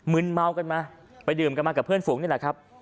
ืนเมากันมาไปดื่มกันมากับเพื่อนฝูงนี่แหละครับ